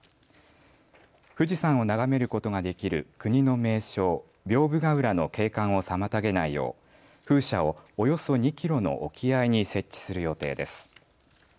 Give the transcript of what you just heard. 富士山を眺めることができる国の名勝屏風ヶ浦の景観を妨げないよう風車をおよそ２キロの沖合に設置する予定です。